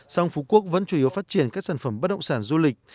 song phú quốc vẫn chủ yếu phát triển các sản phẩm bất động sản du lịch